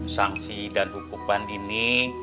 sanksi dan hukuman ini